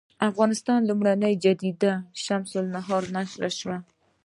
د افغانستان لومړنۍ جریده شمس النهار نشر شوه.